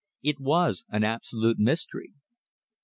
It was an absolute mystery.